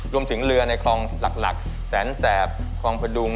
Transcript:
รวมถึงเรือในคลองหลักแสนแสบคลองพดุง